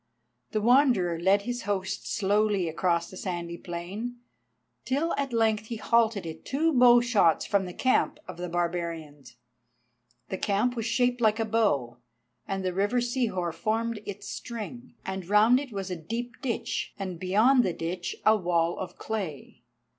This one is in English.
The Wanderer led his host slowly across the sandy plain, till at length he halted it two bow shots from the camp of the barbarians. The camp was shaped like a bow, and the river Sihor formed its string, and round it was a deep ditch and beyond the ditch a wall of clay.